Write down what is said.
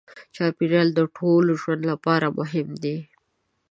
چاپېریال د ټولو ژوند لپاره مهم دی.